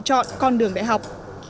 chọn con đường đại học